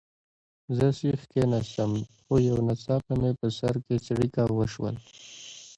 زه سیخ کښېناستم، خو یو ناڅاپه مې په سر کې څړیکه وشول.